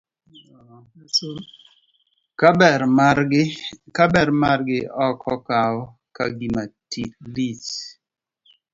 Ka ber margi ok okaw ka gima lich.